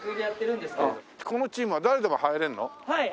はい。